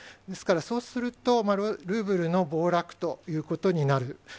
ですからそうすると、ルーブルの暴落ということになる。